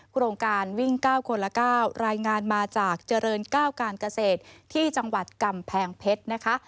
โครงการวิ่ง๙คนละ๙รายงานมาจากเจริญ๙การเกษตรที่จังหวัดกำแพงเพชรนะคะ